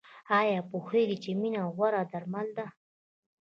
ایا پوهیږئ چې مینه غوره درمل ده؟